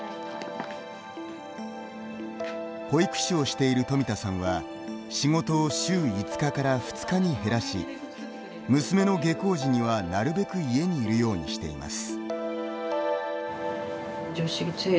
保育士をしている富田さんは仕事を週５日から２日に減らし娘の下校時には、なるべく家に居るようにしています。